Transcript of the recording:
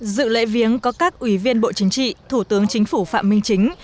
dự lễ viếng có các ủy viên bộ chính trị thủ tướng chính phủ phạm minh chính